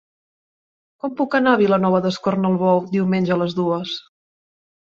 Com puc anar a Vilanova d'Escornalbou diumenge a les dues?